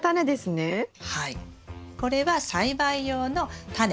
これは栽培用のタネ。